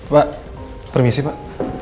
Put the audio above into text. pak permisi pak